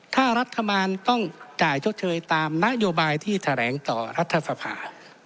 ถ้ารัฐบาลต้องจ่ายชดเชยตามนโยบายที่แถลงต่อรัฐสภา